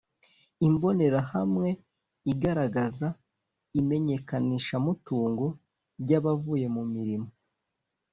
Imbonerahamwe igaragaza imenyekanishamutungo ry’abavuye mu mirimo